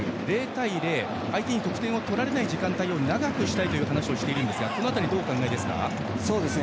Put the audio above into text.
０対０、相手に得点を取られない時間帯を長くしたいという話をしているんですがその辺りどうお考えですか？